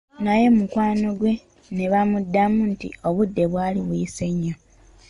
Naye mikwano gye ne bamuddamu nti obudde bwali buyise nnyo.